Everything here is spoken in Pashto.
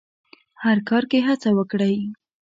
هر کار کې هڅه وکړئ.